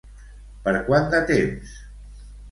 Per quant de temps?